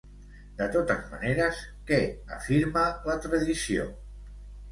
De totes maneres, què afirma la tradició?